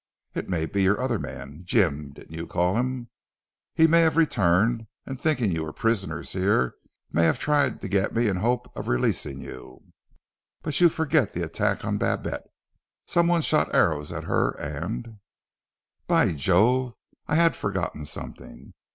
"It may be your other man Jim, didn't you call him? He may have returned, and thinking you were prisoners here, may have tried to get me in the hope of releasing you." "But you forget the attack on Babette! Some one shot arrows at her and " "By Jove! I had forgotten something!